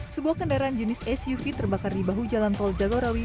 sebuah kendaraan jenis suv terbakar di bahu jalan tol jagorawi